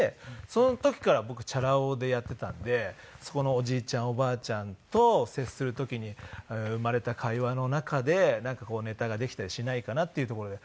その時から僕チャラ男でやっていたんでそこのおじいちゃんおばあちゃんと接する時に生まれた会話の中でなんかネタができたりしないかなっていうところで。